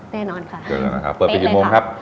แน่นอนค่ะเป็นเลยครับ๑๐โมงครับ